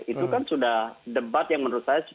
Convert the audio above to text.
itu kan sudah debat yang menurut saya